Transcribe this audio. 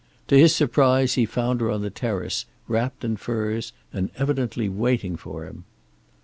To his surprise he found her on the terrace, wrapped in furs, and evidently waiting for him.